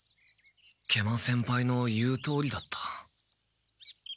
食満先輩の言うとおりだった。